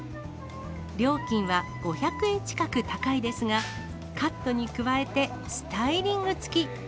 料金は５００円近く高いですが、カットに加えてスタイリング付き。